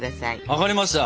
分かりました。